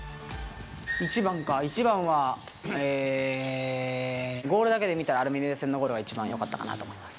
一番か、一番は、ゴールだけで見たらアルメニア戦のゴールは一番よかったかなと思います。